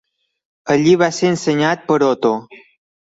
Allí va ser ensenyat per Otto.